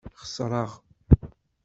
Xeṣreɣ.